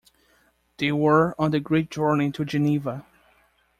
They were on the great journey to Geneva.